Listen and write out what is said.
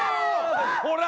ほら！